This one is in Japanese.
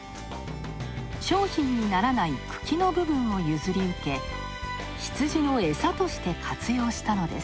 商品にならない茎の部分を譲り受け羊の餌として活用したのです。